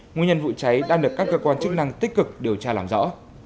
nguyên nhân vụ cháy đang được các cơ quan chức năng tích cực điều tra làm rõ